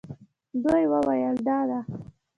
دوی وویل دا ده.